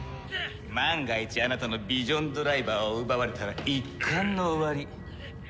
万が一あなたのヴィジョンドライバーを奪われたら一巻の終わり。